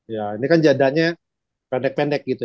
ya ini kan jadanya pendek pendek gitu